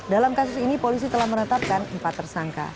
dalam kasus ini polisi telah menetapkan empat tersangka